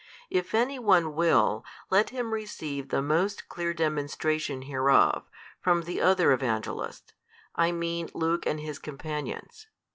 If any one will, let him receive the most clear demonstration hereof, from the other Evangelists, I mean Luke and his companions.